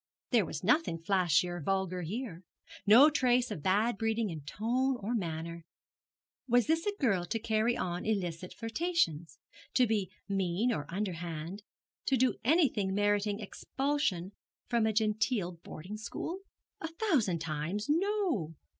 There was nothing flashy or vulgar here, no trace of bad breeding in tone or manner. Was this a girl to carry on illicit flirtations, to be mean or underhand, to do anything meriting expulsion from a genteel boarding school? A thousand times no!